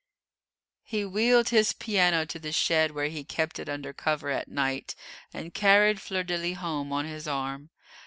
He wheeled his piano to the shed where he kept it under cover at night, and carried Fleur de lis home on his arm.